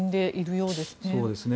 そうですね。